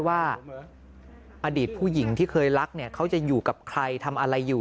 ว่าอดีตผู้หญิงที่เคยรักเนี่ยเขาจะอยู่กับใครทำอะไรอยู่